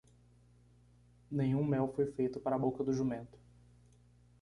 Nenhum mel foi feito para a boca do jumento.